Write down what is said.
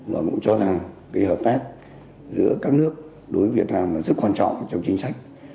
và cũng cho rằng hợp tác giữa các nước đối với việt nam rất quan trọng trong chính sách